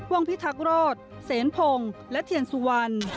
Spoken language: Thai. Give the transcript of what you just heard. วงพิทักษ์รอดเสนพงและเทียนสุวรรค์